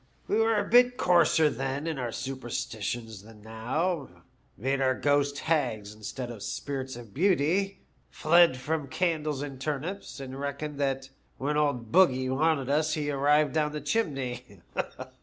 We were a bit coarser then in our CAN THESE DRY BONES LIVEf 259 superstitions than now, made our ghosts hags instead of spirits of beauty, fled from candles in turnips, and reckoned that when old Bogey wanted us he arrived down the chimney.